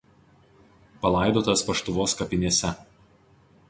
Palaidotas Paštuvos kapinėse.